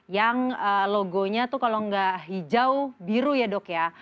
yang logonya tuh kalau nggak hijau biru ya dok ya